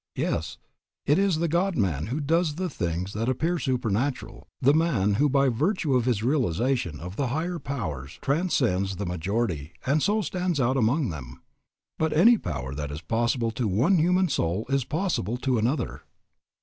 Yes, it is the God man who does the things that appear supernatural, the man who by virtue of his realization of the higher powers transcends the majority and so stands out among them. But any power that is possible to one human soul is possible to another.